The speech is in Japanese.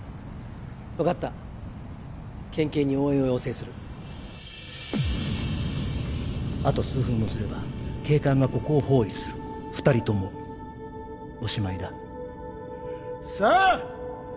分かった県警に応援を要請するあと数分もすれば警官がここを包囲する２人ともおしまいださあ！